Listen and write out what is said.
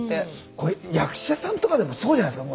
これ役者さんとかでもそうじゃないですか。